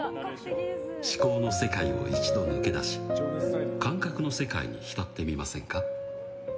思考の世界を一度抜け出し感覚の世界に浸ってみませんか？